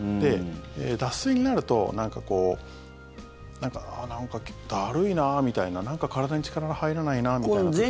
脱水になるとなんか、だるいなみたいななんか体に力が入らないなみたいな時に。